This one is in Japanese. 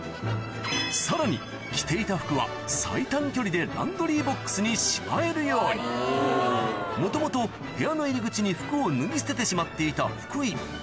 さらにランドリーボックスにしまえるようにもともと部屋の入り口に服を脱ぎ捨ててしまっていた福井